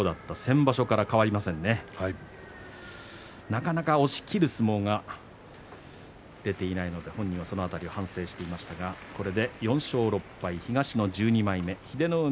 なかなか押しきる相撲が出ていないので本人はその辺りを反省していましたがこれで４勝６敗